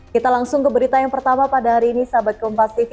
kita langsung ke berita yang pertama pada hari ini sahabat kompas tv